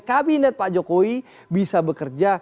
kabinet pak jokowi bisa bekerja